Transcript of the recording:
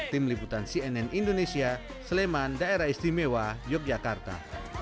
tim liputan cnn indonesia sleman daerah istimewa yogyakarta